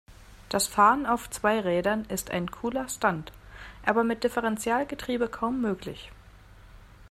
Das Fahren auf zwei Rädern ist ein cooler Stunt, aber mit Differentialgetriebe kaum möglich.